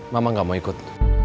mama gak mau ikut